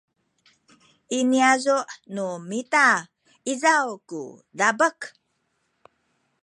i niyazu’ nu mita izaw ku dabek